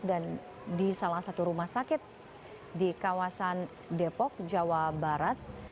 dan di salah satu rumah sakit di kawasan depok jawa barat